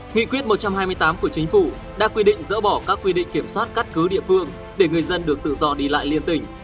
nghị quyết một trăm hai mươi tám của chính phủ đã quy định dỡ bỏ các quy định kiểm soát cắt cứ địa phương để người dân được tự do đi lại liên tỉnh